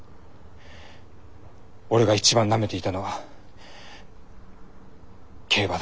俺が一番なめていたのは競馬だ。